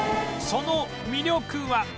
その魅力は？